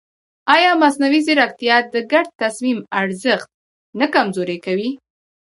ایا مصنوعي ځیرکتیا د ګډ تصمیم ارزښت نه کمزوری کوي؟